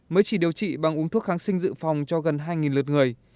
mới chỉ điều trị bằng uống thuốc kháng sinh dự phòng cho gần hai lượt người